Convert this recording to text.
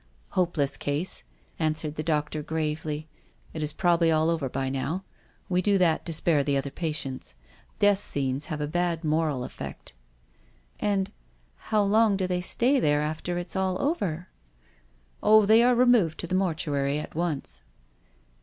"Hopeless case," answered the doctor gravely. " It is probably all over by now. We do that to spare the other patients. Death scenes have a bad moral effect." u And — and how long do they stay there after it's all over ?"" Oh, they are removed to the mortuary at once."